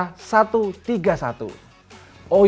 oh iya selamat untuk netizen dan juga sobat rupiah yang tadi bersama